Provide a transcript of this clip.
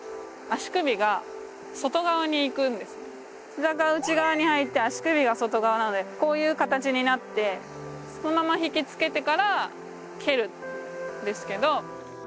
膝が内側に入って足首は外側なのでこういう形になってそのまま引きつけてから蹴るんですけど。